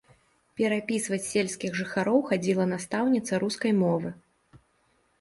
Перапісваць сельскіх жыхароў хадзіла настаўніца рускай мовы.